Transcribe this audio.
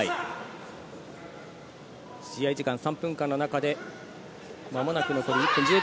試合は３分間の中で、間もなく１分１５秒。